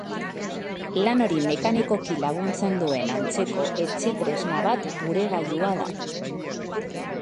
Lan hori mekanikoki laguntzen duen antzeko etxetresna bat puregailua da.